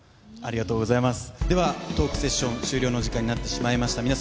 ありがとうございますではトークセッション終了の時間になってしまいました